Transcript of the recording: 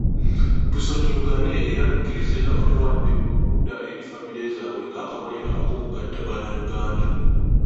Tusonyiwagane era tukkirize abakwate okudda eri famire zaabwe ng'akabonero ak'okugatta bannayuganda.